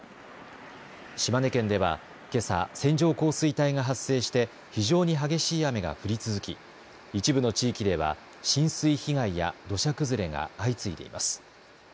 島根県では、けさ線状降水帯が発生して非常に激しい雨が降り続き一部の地域では浸水被害や土砂崩れが相次いでいます。